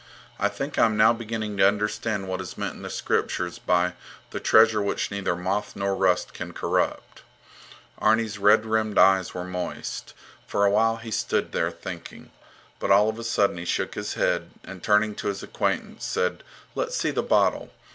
I think I am now beginning to understand what is meant in the Scriptures by 'the treasure which neither moth nor rust can currupt.' Arni's red rimmed eyes were moist. For a while he stood there thinking. But all of a sudden he shook his head and, turning to his acquaintance, said: Let's see the bottle.